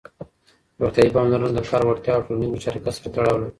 روغتيايي پاملرنه د کار وړتيا او ټولنيز مشارکت سره تړاو لري.